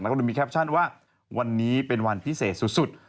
แล้วก็ดูมีแคปชั่นว่าวันนี้เป็นวันพิเศษสุด